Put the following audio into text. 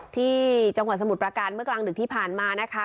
ที่จังหวัดสมุทรประการเมื่อกลางดึกที่ผ่านมานะคะ